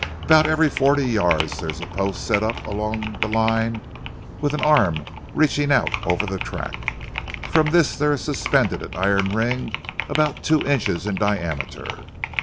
About every forty yards there is a post set up along the line with an arm reaching out over the track. From this there is suspended an iron ring about two inches in diameter.